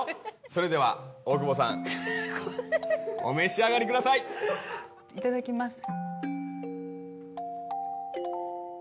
それでは大久保さんお召し上がりくださいいただきます